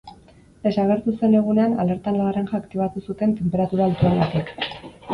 Desagertu zen egunean alerta laranja aktibatu zuten tenperatura altuengatik.